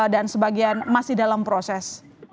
dan sebagian masih dalam proses